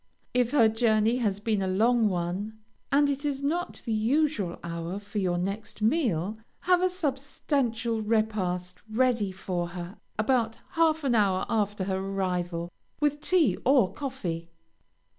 If her journey has been a long one, and it is not the usual hour for your next meal, have a substantial repast ready for her about half an hour after her arrival, with tea or coffee.